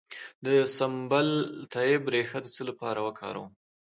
د سنبل الطیب ریښه د څه لپاره وکاروم؟